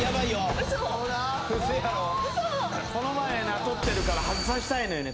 ウソウソこの前なとってるから外させたいのよね